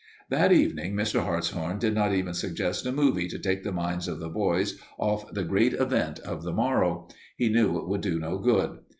That evening Mr. Hartshorn did not even suggest a movie to take the minds of the boys off the great event of the morrow; he knew it would do no good.